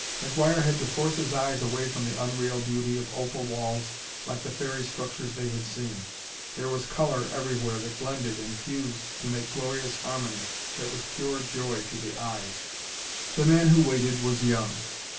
McGuire had to force his eyes away from the unreal beauty of opal walls like the fairy structures they had seen. There was color everywhere that blended and fused to make glorious harmony that was pure joy to the eyes. The man who waited was young.